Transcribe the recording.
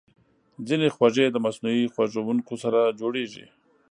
ځینې خوږې د مصنوعي خوږونکو سره جوړېږي.